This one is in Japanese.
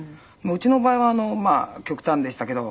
うちの場合は極端でしたけど。